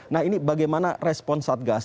nah ini bagaimana respon satgas